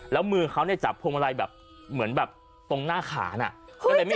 แล้วมือเขาจับพวงมาลัยแบบเหมือนแบบตรงหน้าขานะ